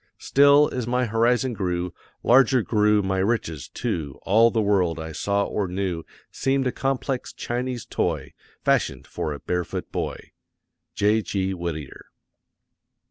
Still, as my horizon grew, larger grew my riches, too; all the world I saw or knew seemed a complex Chinese toy, fashioned for a barefoot boy! J.G. WHITTIER.